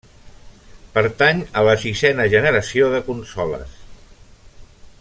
Pertany a la sisena generació de consoles.